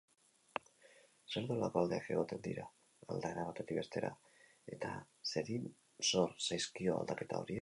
Zer-nolako aldeak egoten dira aldaera batetik bestera eta zeri zor zaizkio aldaketa horiek?